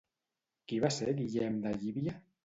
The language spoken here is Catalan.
Qui va ser Guillem de Llívia?